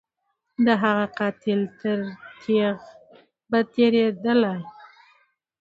د هغه قاتل تر تیغ به تیریدلای